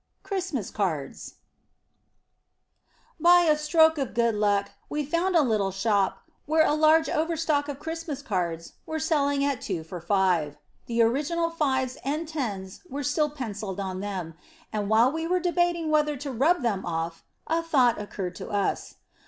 CHRISTMAS CARDS By a stroke of good luck we found a little shop where a large overstock of Christmas cards was selling at two for five. The original 5's and 10's were still penciled on them, and while we were debating whether to rub them off a thought occurred to us.